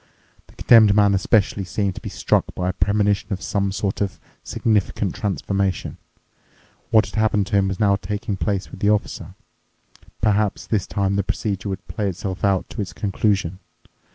The Condemned Man especially seemed to be struck by a premonition of some sort of significant transformation. What had happened to him was now taking place with the Officer. Perhaps this time the procedure would play itself out to its conclusion.